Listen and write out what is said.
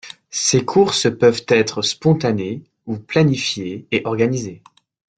Ces courses peuvent être spontanées, ou planifiées et organisées.